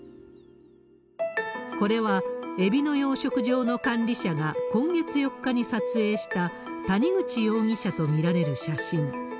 これは、エビの養殖場の管理者が今月４日に撮影した、谷口容疑者と見られる写真。